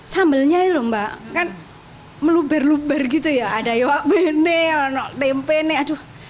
sambelnya iya lho mbak kan meluber luber gitu ya ada iwak pene tempe aduh